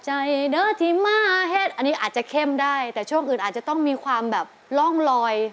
อันนี้อาจจะเข้มได้แต่ช่วงอื่นอาจจะต้องมีความแบบร่องรอย